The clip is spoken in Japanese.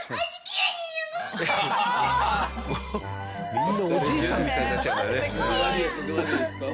みんなおじいさんみたいになっちゃうんだね。